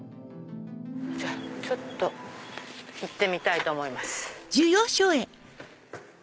ちょっと行ってみたいと思います。